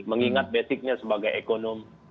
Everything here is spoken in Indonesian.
mengingat basicnya sebagai ekonomi